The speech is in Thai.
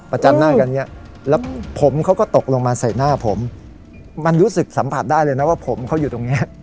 จันหน้ากันเนี่ยแล้วผมเขาก็ตกลงมาใส่หน้าผมมันรู้สึกสัมผัสได้เลยนะว่าผมเขาอยู่ตรงเนี้ย